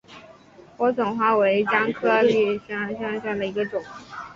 莴笋花为姜科闭鞘姜属下的一个种。